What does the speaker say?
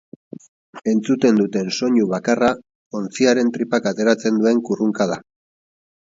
Entzuten duten soinu bakarra ontziaren tripak ateratzen duen kurrunka da.